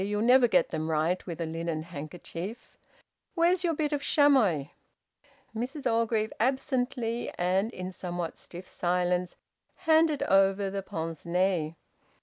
You'll never get them right with a linen handkerchief. Where's your bit of chamois?" Mrs Orgreave absently and in somewhat stiff silence handed over the pince nez!